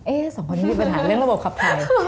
สองคนนี้มีปัญหาเรื่องระบบขับถ่าย